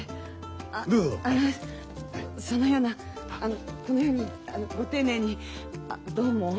そのようなこのようにご丁寧にどうも。